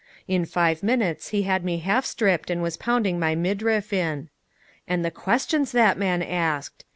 In five minutes he had me half stripped and was pounding my midriff in. And the questions that man asked!